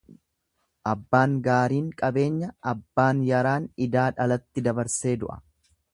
Abbaan gaariin qabeenya, abbaan yaraan idaa dhalatti dabarsee du'a.